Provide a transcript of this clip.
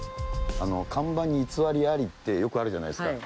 看板に偽りありってよくあるじゃないですか。